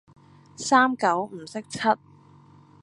三九唔識七